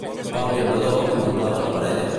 En Pau i en Vadó contemplaven la parella?